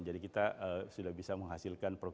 jadi kita sudah bisa menghasilkan varietas